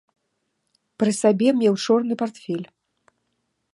Пры сабе меў чорны партфель.